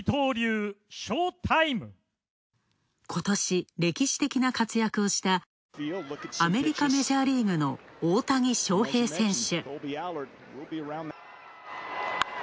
今年、歴史的な活躍をしたアメリカメジャーリーグの大谷翔平選手。